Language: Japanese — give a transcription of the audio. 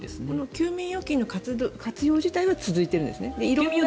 休眠預金の活動自体は続いているんですね。